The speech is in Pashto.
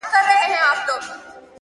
حروف د ساز له سوره ووتل سرکښه سوله”